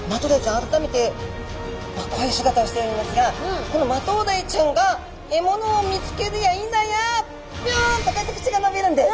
改めてこういう姿をしておりますがこのマトウダイちゃんが獲物を見つけるやいなやビュンとこうやって口が伸びるんです。